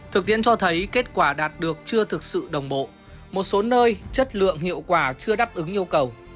thực tiễn cho thấy kết quả đạt được chưa thực sự đồng bộ một số nơi chất lượng hiệu quả chưa đáp ứng yêu cầu